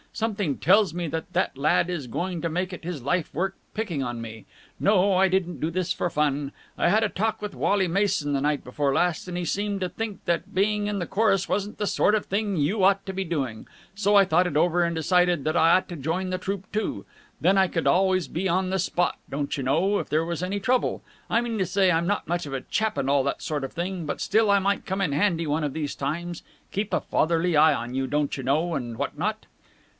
Something tells me that that lad is going to make it his life work picking on me. No, I didn't do this for fun. I had a talk with Wally Mason the night before last, and he seemed to think that being in the chorus wasn't the sort of thing you ought to be doing, so I thought it over and decided that I ought to join the troupe too. Then I could always be on the spot, don't you know, if there was any trouble. I mean to say, I'm not much of a chap and all that sort of thing, but still I might come in handy one of these times. Keep a fatherly eye on you, don't you know, and what not!"